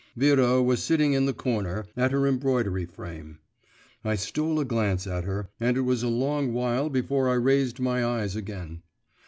Vera was sitting in the corner, at her embroidery frame; I stole a glance at her, and it was a long while before I raised my eyes again.